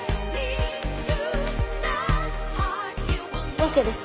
ＯＫです。